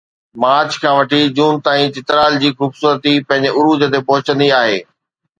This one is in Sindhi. مارچ کان وٺي جون تائين چترال جي خوبصورتي پنهنجي عروج تي پهچندي آهي